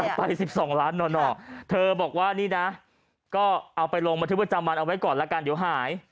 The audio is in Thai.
ไป๑๒ล้านหน่อเธอบอกว่านี่นะก็เอาไปลงบันทึกประจำวันเอาไว้ก่อนละกันเดี๋ยวหาย